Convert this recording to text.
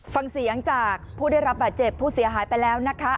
ฟังเสียงจากผู้ได้รับบาดเจ็บผู้เสียหายไปแล้วนะคะ